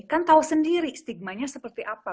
kan tahu sendiri stigma nya seperti apa